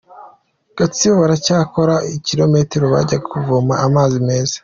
Gatsibo Baracyakora ibirometero bajya kuvoma amazi meza